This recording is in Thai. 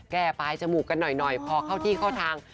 แก้ปลายจมูกกันหน่อยพอเข้าที่เข้าทาง